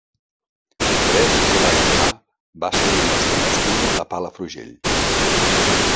Teresa Solà i Vilà va ser una mestra nascuda a Palafrugell.